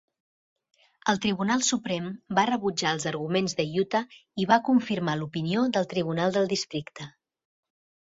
El Tribunal Suprem va rebutjar els arguments de Utah i va confirmar l'opinió del tribunal del districte.